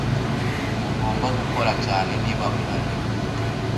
Ntugomba gukora cyane niba unaniwe.